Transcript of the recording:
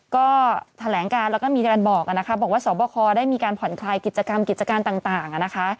ก็แถลงการแล้วก็มีการบอกนะคะบอกว่าสอบคอได้มีการผ่อนคลายกิจกรรมกิจการต่างนะคะ